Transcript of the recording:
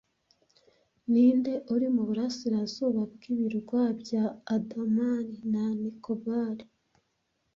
Ninde uri muburasirazuba bwibirwa bya Andaman na Nikobar